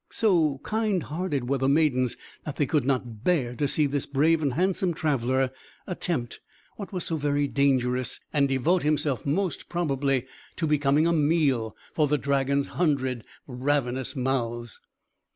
So kind hearted were the maidens that they could not bear to see this brave and handsome traveller attempt what was so very dangerous, and devote himself, most probably, to become a meal for the dragon's hundred ravenous mouths.